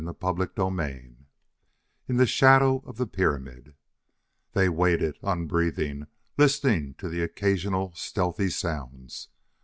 CHAPTER XII In the Shadow of the Pyramid They waited, unbreathing, listening to the occasional stealthy sounds.